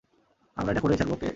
আমরা এটা করেই ছাড়বো, ওকে?